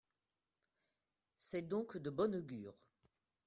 C’est donc de bon augure.